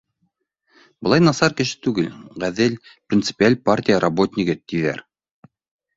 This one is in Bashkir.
Былай насар кеше түгел, ғәҙел, принципиаль партия работнигы, тиҙәр